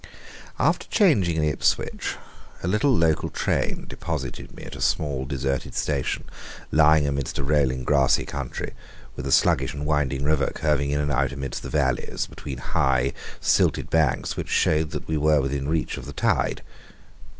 After changing at Ipswich, a little local train deposited me at a small, deserted station lying amidst a rolling grassy country, with a sluggish and winding river curving in and out amidst the valleys, between high, silted banks, which showed that we were within reach of the tide.